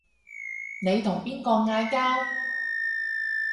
你同邊個嗌交